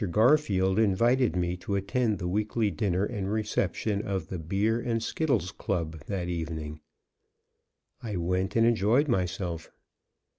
Garfield invited me to attend the weekly dinner and reception of the "Beer and Skittles Club," that evening. I went and enjoyed myself.